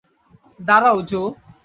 দাঁড়াও, জো।